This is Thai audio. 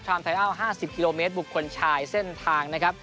ไทยอัล๕๐กิโลเมตรบุคคลชายเส้นทางนะครับ